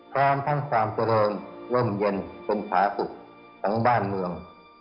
พร้อมทั้งความเจริญร่มเย็นเป็นผาสุขทั้งบ้านเมือง